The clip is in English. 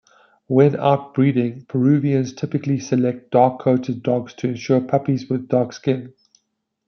When out-breeding Peruvians typically select dark-coated dogs to ensure puppies with dark skin.